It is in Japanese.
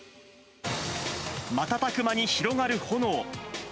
瞬く間に広がる炎。